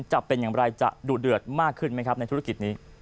จะเป็นอย่างไรจะดูเดือดมากขึ้นไหมครับในธุรกิจนี้